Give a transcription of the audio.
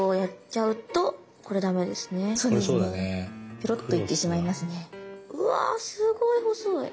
うわすごい細い。